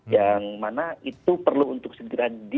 yang mana itu perlu untuk segera dievaluasi dan dikonsumsi